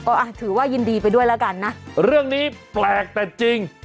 ก็อ่ะถือว่ายินดีไปด้วยแล้วกันนะเรื่องนี้แปลกแต่จริง